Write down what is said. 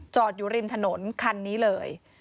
อยู่ริมถนนคันนี้เลย